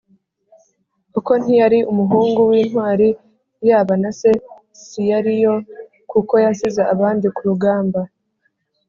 koko ntiyari umuhungu w intwari yaba na se si yariyo kuko yasize abandi ku rugamba